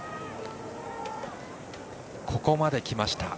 ここまできました。